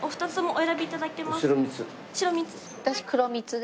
私黒蜜で。